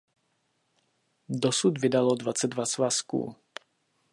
Dosud vydalo dvacet dva svazků.